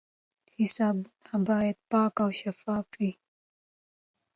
حسابونه باید پاک او شفاف وي.